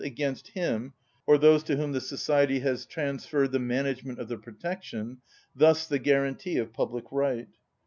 _, against him or those to whom the society has transferred the management of the protection, thus the guarantee of public right.